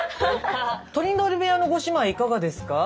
トリンドル部屋のご姉妹いかがですか？